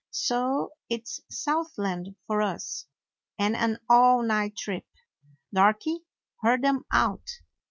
So it 's Southland for us, and an all night trip. Darky, herd 'em out